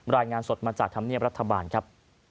รายงานสดมาจากธรรมเนียบรัฐบาลครับ